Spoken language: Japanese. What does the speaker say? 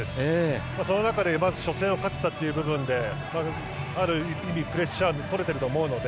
その中で、まず初戦を勝ったという部分である意味プレッシャーはとれていると思うので。